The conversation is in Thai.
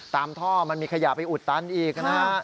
ท่อมันมีขยะไปอุดตันอีกนะฮะ